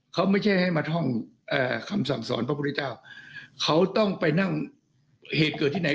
เขาไม่ใช่ให้มาท่องคำสั่งสอนพระพุทธเจ้าเขาต้องไปนั่งเหตุเกิดที่ไหน